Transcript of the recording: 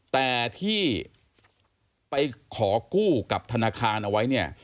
แต่ที่ไปขอกู้กับธนาคารเอาไว้เนี่ย